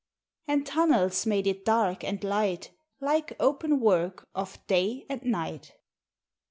And tunnels made it dark and light Like open work of day and night.